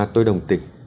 tôi đồng tình